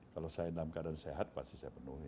kalau saya dalam keadaan sehat pasti saya penuhi